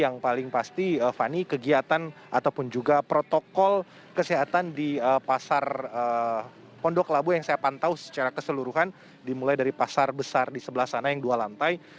yang paling pasti fani kegiatan ataupun juga protokol kesehatan di pasar pondok labu yang saya pantau secara keseluruhan dimulai dari pasar besar di sebelah sana yang dua lantai